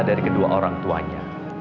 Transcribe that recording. dari kedua orang tuanya